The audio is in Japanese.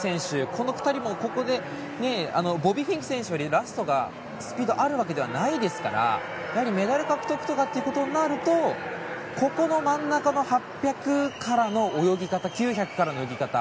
この２人もここでボビー・フィンク選手よりラスト、スピードがあるわけではないですからメダル獲得とかになるとここの真ん中の８００ｍからの泳ぎ方９００ｍからの泳ぎ方。